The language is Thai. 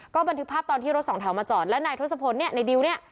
ก็บันทึกภาพตอนที่รถสองแถวมาจอดแล้วนายทศพลเนี่ยในดิวเนี่ย